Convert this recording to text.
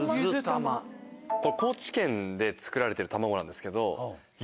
これ高知県で作られてる卵なんですけど。